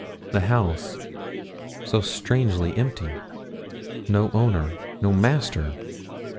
The house so strangely empty. No owner no master!